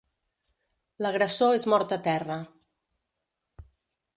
L'agressor és mort a terra.